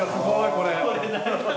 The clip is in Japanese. これ！